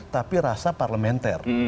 tapi rasa parlementer